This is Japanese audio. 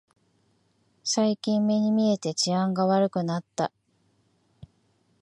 最近目に見えて治安が悪くなった